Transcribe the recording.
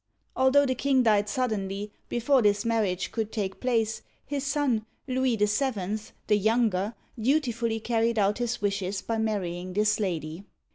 Although the king died sud denly before this marriage could take place, his son, Louis VII., "the Younger," dutifully carried out his wishes by marrying this lady.